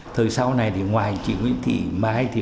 thời sau này ngoài chị nguyễn thị mai